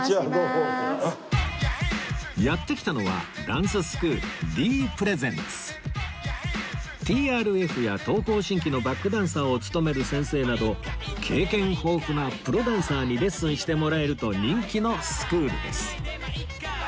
やって来たのはＴＲＦ や東方神起のバックダンサーを務める先生など経験豊富なプロダンサーにレッスンしてもらえると人気のスクールです